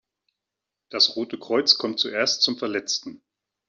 Das Rote Kreuz kommt zuerst zum Verletzten.